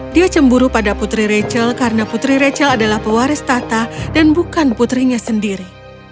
dia cemburu pada putri rachel karena putri rachel adalah pewaris tata dan bukan putrinya sendiri